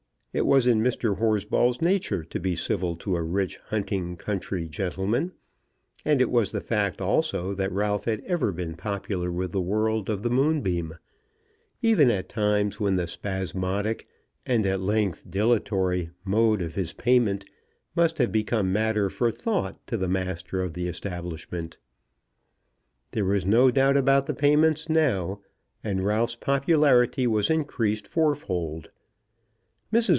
It was in Mr. Horsball's nature to be civil to a rich hunting country gentleman; and it was the fact also that Ralph had ever been popular with the world of the Moonbeam, even at times when the spasmodic, and at length dilatory, mode of his payment must have become matter for thought to the master of the establishment. There was no doubt about the payments now, and Ralph's popularity was increased fourfold. Mrs.